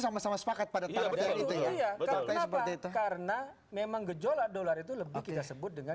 sama sama sepakat pada betul betul betul karena memang gejolak dollar itu lebih kita sebut dengan